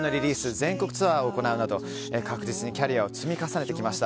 全国ツアーを行うなど確実にキャリアを積み重ねてきました。